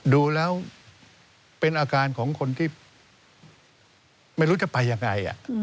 ดูแล้วเป็นอาการของคนที่ไม่รู้จะไปยังไง